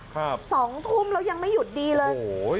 ครับ๒ทุ่มเรายังไม่หยุดดีเลย